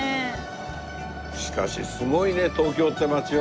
しかしすごいね東京って街は。